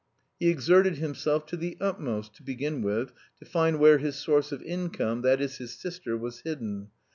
He exerted himself to the utmost, to begin with, to find where his source of income, that is his sister, was hidden.